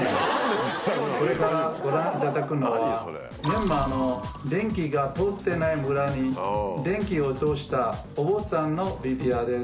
これからご覧いただくのは、ミャンマーの電気が通っていない村に電気を通したお坊さんのＶＴＲです。